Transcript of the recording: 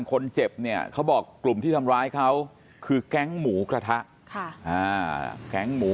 คนเจ็บเนี่ยเขาบอกกลุ่มที่ทำร้ายเขาคือแก๊งหมูกระทะแก๊งหมู